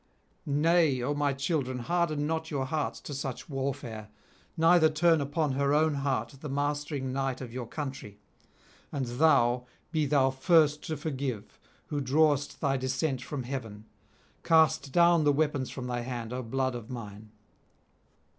Nay, O my children, harden not your hearts to such warfare, neither turn upon her own heart the mastering might of your country; and thou, be thou first to forgive, who drawest thy descent from heaven; cast down the weapons from thy hand, O blood of mine.